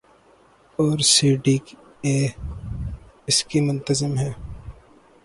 اورسی D A اس کی منتظم ہے۔